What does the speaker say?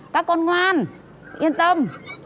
các con ngoan yên tâm